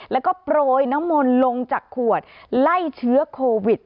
แล้วก็โปรยน้ำมนต์ลงจากขวดไล่เชื้อโควิด